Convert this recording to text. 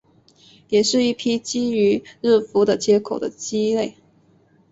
也是一批基于字符的接口的基类。